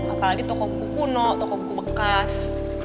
apalagi toko buku kuno toko buku bekas